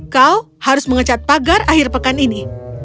kau harus mengecat pagar akhir pekan ini